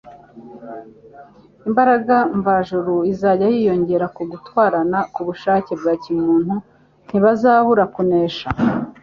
imbaraga mvajuru izajya yiyongera ku gutwarana k'ubushake bwa kimuntu; ntibazabura kunesha.